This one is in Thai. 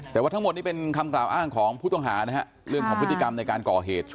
แต่ว่าทั้งหมดนี้เป็นคำกล่าวอ้างของผู้ต้องหานะฮะเรื่องของพฤติกรรมในการก่อเหตุ